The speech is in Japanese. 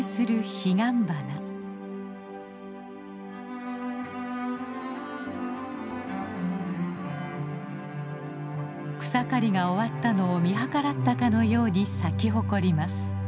草刈りが終わったのを見計らったかのように咲き誇ります。